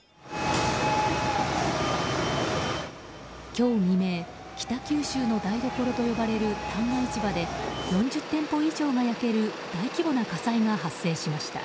今日未明北九州の台所と呼ばれる旦過市場で４０店舗以上が焼ける大規模な火災が発生しました。